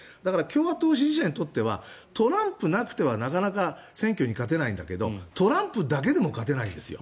共和党支持者にとってはトランプなくてはなかなか選挙に勝てないんだけどトランプだけでも勝てないんです。